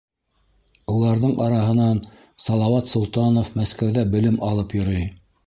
Уларҙың араһынан Салауат Солтанов Мәскәүҙә белем алып йөрөй.